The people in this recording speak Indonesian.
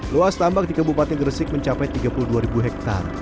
luas tambak di kebupaten gresik mencapai tiga puluh dua hektar